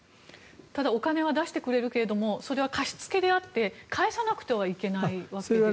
ただお金は出してくれるけれどそれは貸しつけであって返さなければいけないわけですか？